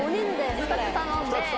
２つ頼んで。